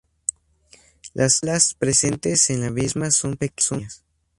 Las areolas presentes en la misma son pequeñas.